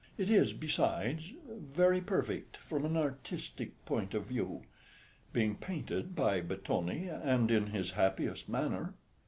It is, besides, very perfect from an artistic point of view, being painted by Battoni, and in his happiest manner."